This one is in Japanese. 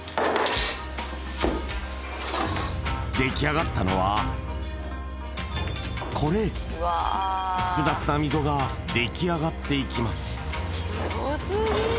出来上がったのはこれ複雑な溝が出来上がっていきます